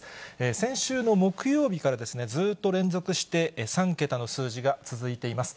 先週の木曜日からずっと連続して３桁の数字が続いています。